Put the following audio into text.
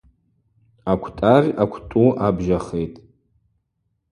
Аквтӏагъь аквтӏу абжьахитӏ.